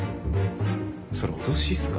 それ脅しっすか？